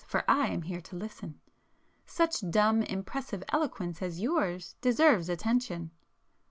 —for I am here to listen. Such dumb, impressive eloquence as yours deserves attention!"